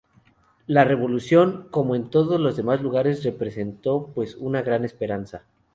La Revolución, como en todos los demás lugares representó pues una gran esperanza.